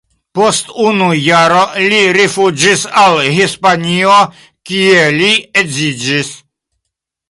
Post unu jaro li rifuĝis al Hispanio, kie li edziĝis.